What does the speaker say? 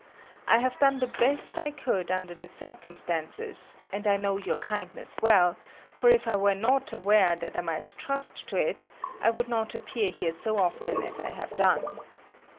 I have done the best I could under the circumstances, and I know your kindness well, for if I were not aware that I might trust to it, I would not appear here so often as I have done.